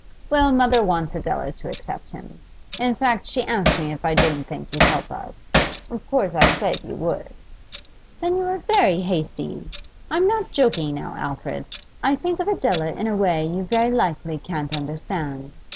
Well, mother wants Adela to accept him. In fact, she asked me if I didn't think you'd help us. Of course I said you would.' 'Then you were very hasty. I'm not joking now, Alfred. I think of Adela in a way you very likely can't understand.